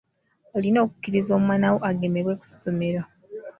Olina okukkiriza omwana wo agemebwe ku ssomero.